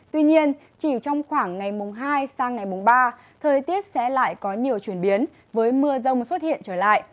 tuy nhiên chỉ trong khoảng ngày mùng hai sang ngày mùng ba thời tiết sẽ lại có nhiều chuyển biến với mưa rông xuất hiện trở lại